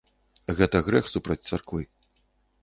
Гэта грэх супраць царквы.